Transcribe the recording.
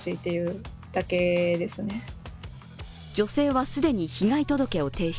女性は既に被害届を提出。